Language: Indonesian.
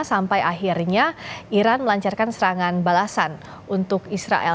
sampai akhirnya iran melancarkan serangan balasan untuk israel